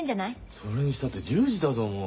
それにしたって１０時だぞもう。